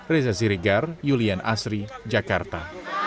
reza siregar julian asri jakarta